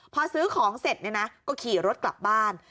พอซื้อของเสร็จเนี่ยนะก็ขี่รถกลับบ้าน